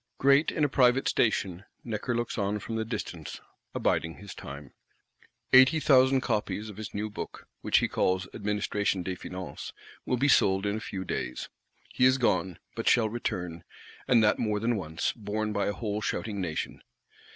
Great in a private station, Necker looks on from the distance; abiding his time. "Eighty thousand copies" of his new Book, which he calls Administration des Finances, will be sold in few days. He is gone; but shall return, and that more than once, borne by a whole shouting Nation.